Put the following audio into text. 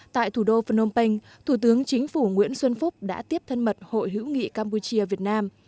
tại thủ đô phnom penh thủ tướng chính phủ nguyễn xuân phúc đã tiếp thân mật hội hữu nghị campuchia việt nam